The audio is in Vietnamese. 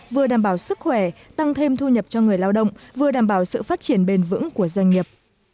vừa đảm bảo sức khỏe tăng thêm thu nhập cho người lao động vừa đảm bảo sự phát triển bền vững của doanh nghiệp